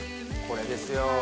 これですよ。